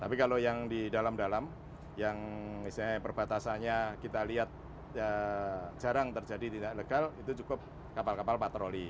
tapi kalau yang di dalam dalam yang misalnya perbatasannya kita lihat jarang terjadi tidak legal itu cukup kapal kapal patroli